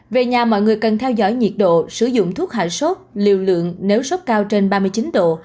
về nhà mọi người cần theo dõi nhiệt độ sử dụng thuốc hạ sốt liều lượng nếu sốc cao trên ba mươi chín độ